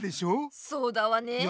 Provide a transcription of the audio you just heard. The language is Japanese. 「そうだわねえ」。